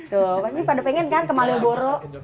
tuh pasti pak do pengen kan ke malioboro